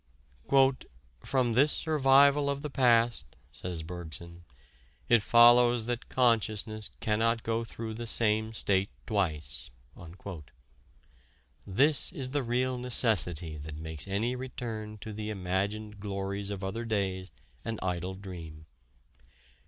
"From this survival of the past," says Bergson, "it follows that consciousness cannot go through the same state twice." This is the real necessity that makes any return to the imagined glories of other days an idle dream.